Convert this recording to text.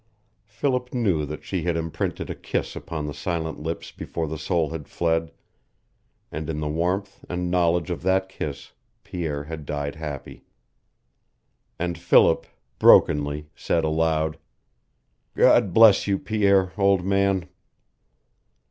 Philip knew that she had imprinted a kiss upon the silent lips before the soul had fled, and in the warmth and knowledge of that kiss Pierre had died happy. And Philip, brokenly, said aloud: "God bless you, Pierre, old man!"